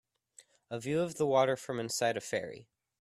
A view of the water from inside a ferry.